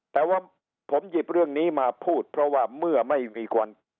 แต่ว่าผมหยิบเรื่องนี้มาพูดเพราะว่าเมื่อไม่มีวัน